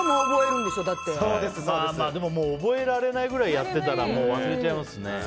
でも覚えられないぐらいやってたらもう忘れちゃいますね。